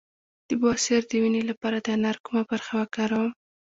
د بواسیر د وینې لپاره د انار کومه برخه وکاروم؟